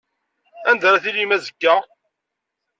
Anda ara tilim azekka?